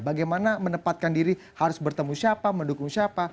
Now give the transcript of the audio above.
bagaimana menempatkan diri harus bertemu siapa mendukung siapa